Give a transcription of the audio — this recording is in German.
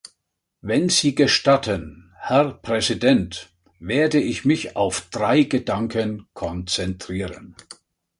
Wenn Sie gestatten, Herr Präsident, werde ich mich auf drei Gedanken konzentrieren.